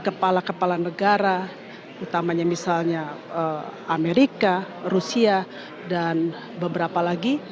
kepala kepala negara utamanya misalnya amerika rusia dan beberapa lagi